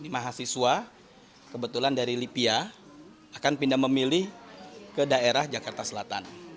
mahasiswa kebetulan dari lipia akan pindah memilih ke daerah jakarta selatan